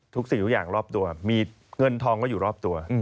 สิ่งทุกอย่างรอบตัวมีเงินทองก็อยู่รอบตัว